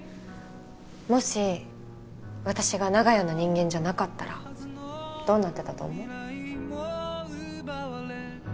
もし私が長屋の人間じゃなかったらどうなってたと思う？